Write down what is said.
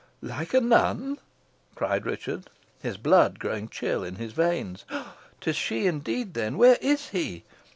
"Like a nun!" cried Richard, his blood growing chill in his veins. "'Tis she indeed, then! Where is he?"